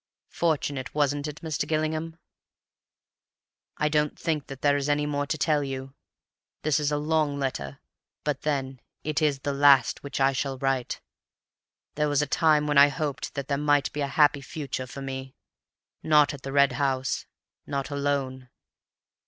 Fortunate, wasn't it, Mr. Gillingham? "I don't think that there is any more to tell you. This is a long letter, but then it is the last which I shall write. There was a time when I hoped that there might be a happy future for me, not at the Red House, not alone.